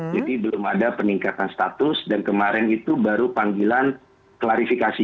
jadi belum ada peningkatan status dan kemarin itu baru panggilan klarifikasi